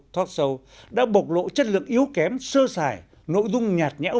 talk show đã bộc lộ chất lượng yếu kém sơ sài nội dung nhạt nhẽo